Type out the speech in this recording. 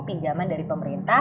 pinjaman dari pemerintah